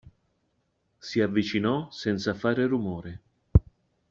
Si avvicinò senza fare rumore.